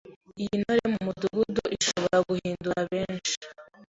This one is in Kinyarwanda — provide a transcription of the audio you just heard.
y’Intore mu Mudugudu ishobora guhindura benshi